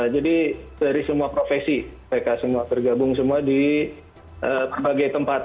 jadi dari semua profesi mereka semua bergabung semua di berbagai tempat